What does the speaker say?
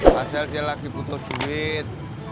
padahal dia lagi butuh duit